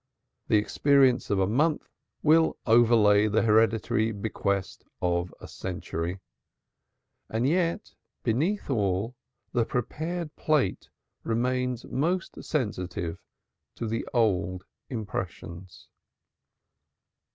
The experience of a month will overlay the hereditary bequest of a century. And yet, beneath all, the prepared plate remains most sensitive to the old impressions.